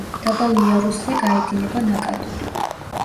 დაბალ იარუსზე გაედინება ნაკადული.